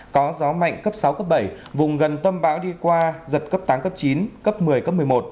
có gió mạnh cấp sáu cấp bảy vùng gần tâm bão đi qua giật cấp tám cấp chín cấp một mươi cấp một mươi một